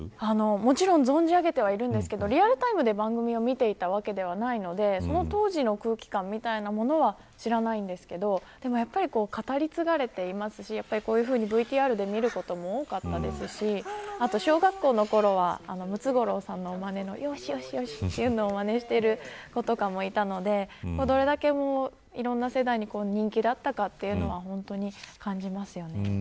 もちろん存じ上げていますがリアルタイムで番組を見ていたわけではないのでその当時の空気感みたいなものは知らないんですけどでもやっぱり語り継がれていますしこういうふうにＶＴＲで見ることも多かったですし小学校のころはムツゴロウさんのまねのよしよしよしというのをまねしている子とかもいたのでいろんな世代に人気だったというのは本当に感じますよね。